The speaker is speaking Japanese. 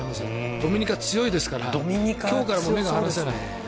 ドミニカ強いですから今日から目が離せない。